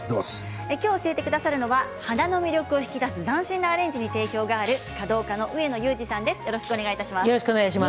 今日、教えてくださるのは花の魅力を引き出す斬新なアレンジに定評がある華道家の上野雄次さんです。